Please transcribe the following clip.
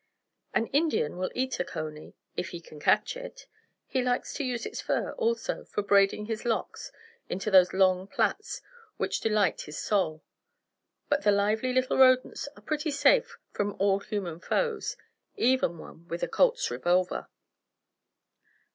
An Indian will eat a cony, if he can catch it. He likes to use its fur, also, for braiding his locks into those long plaits which delight his soul; but the lively little rodents are pretty safe from all human foes, even one with a Colt's revolver!